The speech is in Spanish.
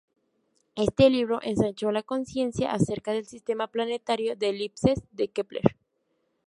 Este libro ensanchó la conciencia acerca del sistema planetario de elipses de Kepler.